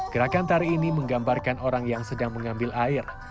gerakan tari ini menggambarkan orang yang sedang mengambil air